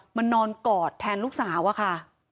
นอนกอดแทนลูกสาวอะค่ะ